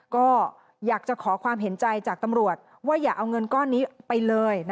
ก็อยากจะขอความเห็นใจจากตำรวจว่าอย่าเอาเงินก้อนนี้ไปเลย